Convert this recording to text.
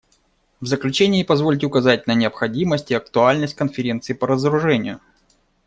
В заключение позвольте указать на необходимость и актуальность Конференции по разоружению.